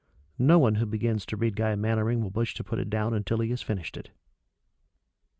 No one who begins to read Guy Mannering will wish to put it down until he has finished it.